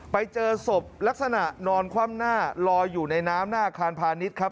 ไปเจอศพลักษณะนอนคว่ำหน้าลอยอยู่ในน้ำหน้าอาคารพาณิชย์ครับ